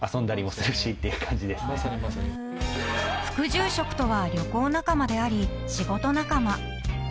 ［副住職とは旅行仲間であり仕事仲間］